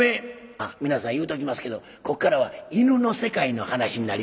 あっ皆さん言うときますけどこっからは犬の世界の話になりますのでついてきて頂きますように。